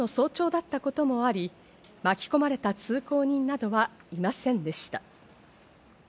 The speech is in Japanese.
事故当時は日曜の早朝だったこともあり、巻き込まれた通行人などはいませんでした。